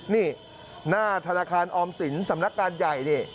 นี่หน้าธนาคารออมสินสำนักงานใหญ่นี่